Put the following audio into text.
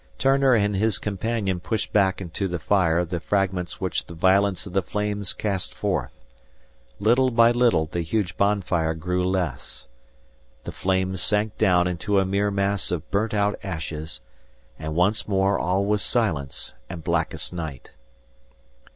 Turner and his companion pushed back into the fire the fragments which the violence of the flames cast forth. Little by little the huge bonfire grew less. The flames sank down into a mere mass of burnt out ashes; and once more all was silence and blackest night.